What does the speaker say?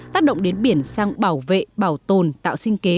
tác động đến biển sang bảo vệ bảo tồn tạo sinh kế